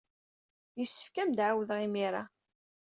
Yessefk ad am-d-ɛawdeɣ imir-a.